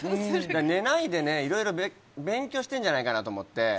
寝ないでね、いろいろ勉強してんじゃないかなと思って。